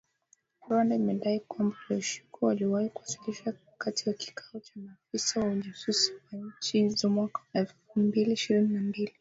Rwanda imedai kwamba walioshikwa waliwahi kuwasilishwa wakati wa kikao cha maafisa wa ujasusi wa nchi hizo mwaka Elfu mbili ishirini na mbili